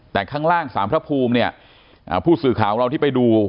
แต่ข้างล่างสารพระภูมิเนี่ยผู้สื่อข่าวของเราที่ไปดู